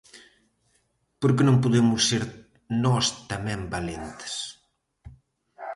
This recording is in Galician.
Por que non podemos ser nós tamén valentes?